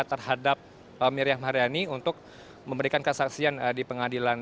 terhadap miriam haryani untuk memberikan kesaksian di pengadilan